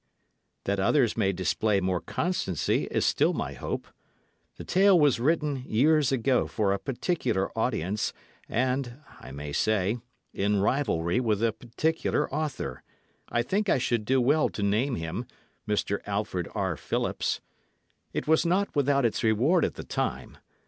That others may display more constancy is still my hope. The tale was written years ago for a particular audience and (I may say) in rivalry with a particular author; I think I should do well to name him, Mr. Alfred R. Phillips. It was not without its reward at the time.